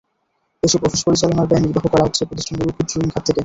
এসব অফিস পরিচালনার ব্যয় নির্বাহ করা হচ্ছে প্রতিষ্ঠানগুলোর ক্ষুদ্রঋণ খাত থেকে।